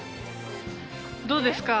どうですか？